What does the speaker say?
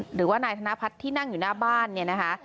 หรือว่านายธนพัฒน์ที่นั่งอยู่หน้าบ้านเนี่ยนะคะ